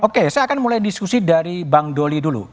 oke saya akan mulai diskusi dari bang doli dulu